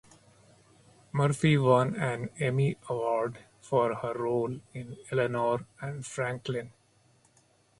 Murphy won an Emmy Award for her role in "Eleanor and Franklin".